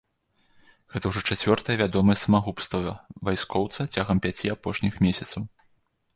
Гэта ўжо чацвёртае вядомае самагубства вайскоўца цягам пяці апошніх месяцаў.